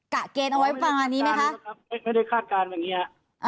กะเกณฑ์เอาไว้ประมาณนี้ไหมคะไม่ได้คาดการณ์แบบนี้ครับ